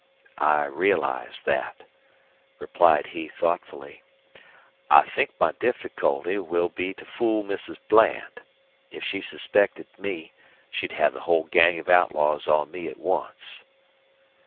"I realize that," replied he, thoughtfully. "I think my difficulty will be to fool Mrs. Bland. If she suspected me she'd have the whole gang of outlaws on me at once."